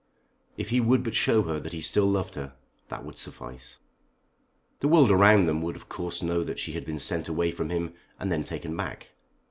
If he would but show her that he still loved her, that should suffice. The world around them would of course know that she had been sent away from him, and then taken back.